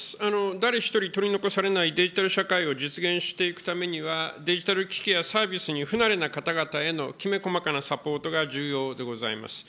誰一人取り残されないデジタル社会を実現していくためには、デジタル機器やサービスに不慣れな方々へのきめ細かなサポートが重要でございます。